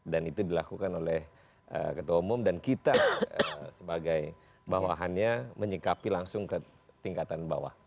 dan itu dilakukan oleh ketua umum dan kita sebagai bawahannya menyikapi langsung ke tingkatan bawah